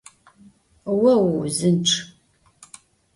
Vo vuuzınçç.